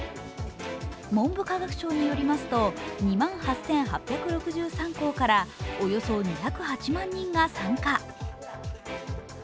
文部科学省によりますと２万８８６３校からおよそ２０８万人が参加。